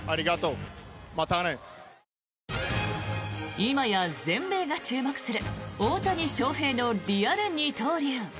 今や全米が注目する大谷翔平のリアル二刀流。